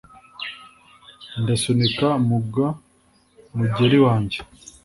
ndasunika mug mugeri wanjye: